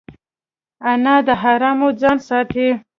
انا له حرامو ځان ساتي